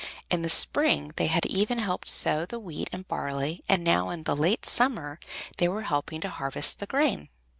In the spring they had even helped sow the wheat and barley, and now in the late summer they were helping to harvest the grain.